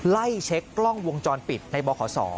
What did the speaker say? ไล่เช็คกล้องวงจรปิดในบขศ